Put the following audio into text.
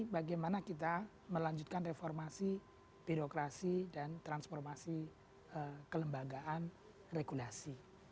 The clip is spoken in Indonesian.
bagaimana kita melanjutkan reformasi birokrasi dan transformasi kelembagaan regulasi